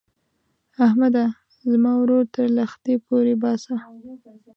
احمده؛ زما ورور تر لښتي پورې باسه.